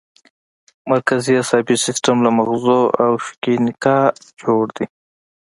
مرکزي عصبي سیستم له مغزو او شوکي نخاع جوړ دی